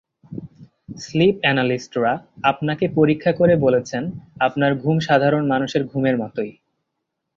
Slip অ্যানালিস্টরা আপনাকে পরীক্ষা করে বলেছেন-আপনার ঘুম সাধারণ মানুষের ঘুমের মতোই।